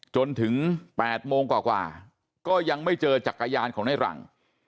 จนถึง๘โมงกว่าก็ยังไม่เจอจักรยานของในหลัง